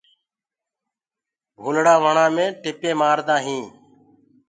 ڀولڙآ وڻآ مينٚ ٽِپينٚ مآردآ هينٚ۔